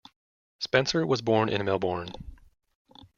Spencer was born in Melbourne.